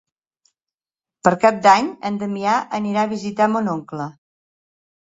Per Cap d'Any en Damià anirà a visitar mon oncle.